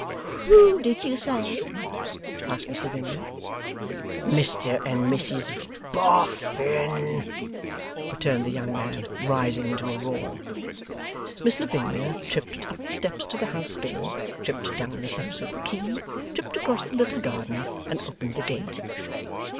'Who did you say?' asked Miss Lavinia. 'Mr and Mrs BOFFIN' returned the young man, rising into a roar. Miss Lavinia tripped up the steps to the house door, tripped down the steps with the key, tripped across the little garden, and opened the gate.